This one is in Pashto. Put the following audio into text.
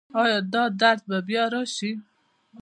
ایا دا درد به بیا راشي؟